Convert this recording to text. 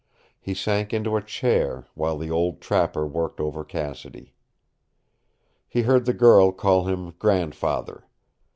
He sank into a chair, while the old trapper worked over Cassidy. He heard the girl call him grandfather.